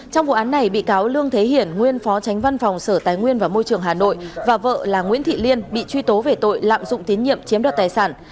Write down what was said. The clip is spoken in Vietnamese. trong vụ án này bị cáo lương thế hiển nguyên phó tránh văn phòng sở tài nguyên và môi trường hà nội và vợ là nguyễn thị liên bị truy tố về tội lạm dụng tín nhiệm chiếm đoạt tài sản